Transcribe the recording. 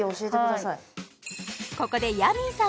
はいここでヤミーさん